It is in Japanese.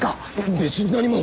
別に何も。